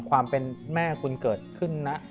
ความเป็นแม่คุณเกิดขึ้นนะ